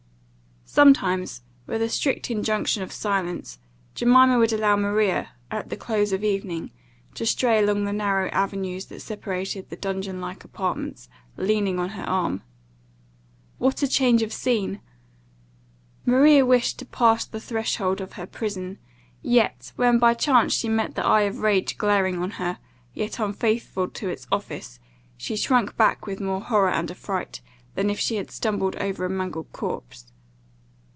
Sometimes, with a strict injunction of silence, Jemima would allow Maria, at the close of evening, to stray along the narrow avenues that separated the dungeon like apartments, leaning on her arm. What a change of scene! Maria wished to pass the threshold of her prison, yet, when by chance she met the eye of rage glaring on her, yet unfaithful to its office, she shrunk back with more horror and affright, than if she had stumbled over a mangled corpse.